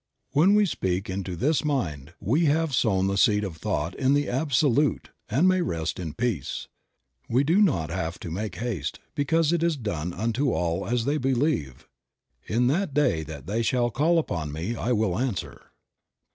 When we speak into this Mind we have sown the seed of thought in the Absolute and may rest in peace. We do not have to make haste, because it is done unto all as they believe. "In that day that they shall call upon me I will answer."